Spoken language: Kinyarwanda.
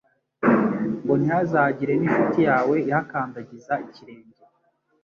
ngo ntihazagire n'inshuti yawe ihakandagiza ikirenge